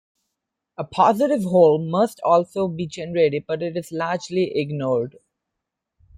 A positive hole must also be generated but it is largely ignored.